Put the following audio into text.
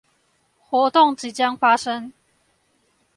活動即將發生